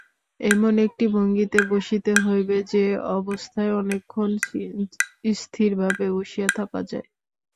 এমন একটি ভঙ্গীতে বসিতে হইবে, যে-অবস্থায় অনেকক্ষণ স্থিরভাবে বসিয়া থাকা যায়।